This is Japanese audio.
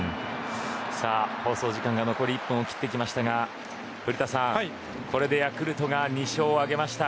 放送時間が残り１分を切ってきましたが古田さん、これでヤクルトが２勝を挙げました。